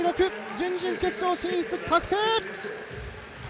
準々決勝進出確定！